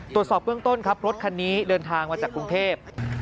ตรวจสอบเบื้องต้นครับรถคันนี้เดินทางมาจากกรุงเทพ